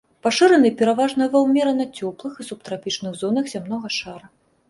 Пашыраны пераважна ва ўмерана цёплых і субтрапічных зонах зямнога шара.